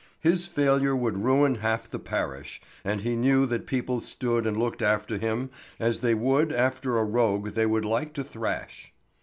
His failure would ruin half the parish, and he knew that people stood and looked after him as they would after a rogue they would like to thrash.